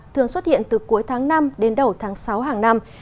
thường xuất hiện từ cuối tháng năm đến đầu tháng sáu hàng năm